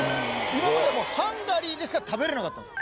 今までハンガリーでしか食べれなかったんです